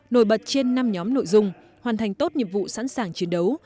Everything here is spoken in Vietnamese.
nổi bật trên năm nhóm nội dung hoàn thành tốt nhiệm vụ sẵn sàng chiến đấu